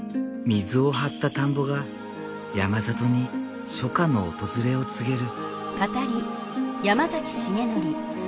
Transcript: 水を張った田んぼが山里に初夏の訪れを告げる。